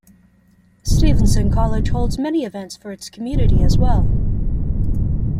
Stevenson College holds many events for its community as well.